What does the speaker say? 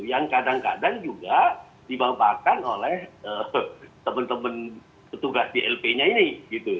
yang kadang kadang juga dibaparkan oleh teman teman petugas dlp nya ini gitu